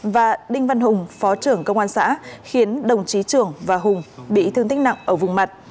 và đinh văn hùng phó trưởng công an xã khiến đồng chí trưởng và hùng bị thương tích nặng ở vùng mặt